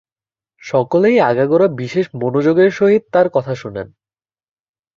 সকলেই আগাগোড়া বিশেষ মনোযোগের সহিত তাঁহার কথা শুনেন।